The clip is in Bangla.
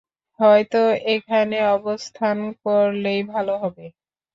হয়তো এখানে অবস্থান করলেই ভালো হবে।